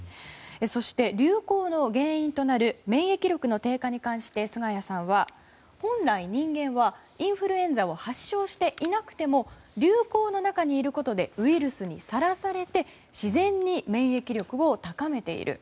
そして、流行の原因となる免疫力の低下に関して菅谷さんは、本来人間はインフルエンザを発症していなくても流行の中にいることでウイルスにさらされて自然に免疫力を高めている。